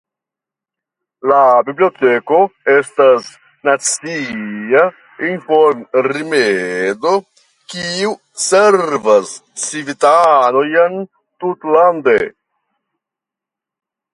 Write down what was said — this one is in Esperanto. La biblioteko estas nacia informrimedo kiu servas civitanojn tutlande.